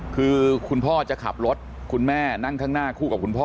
คือคุณพ่อจะขับรถคุณแม่นั่งข้างหน้าคู่กับคุณพ่อ